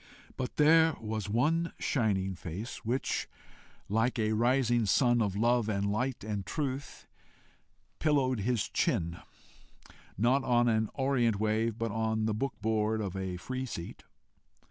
But there was one shining face which, like a rising sun of love and light and truth, "pillowed his chin," not "on an orient wave," but on the book board of a free seat.